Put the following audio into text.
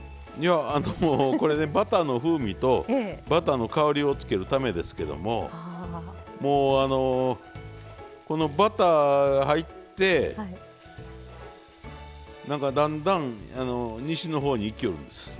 いやこれねバターの風味とバターの香りをつけるためですけどももうこのバター入って何かだんだん西の方にいきよるんです。